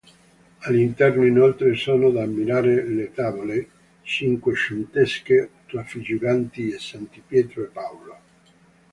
All'interno, inoltre, sono da ammirare le tavole cinquecentesche raffiguranti i "Santi Pietro e Paolo".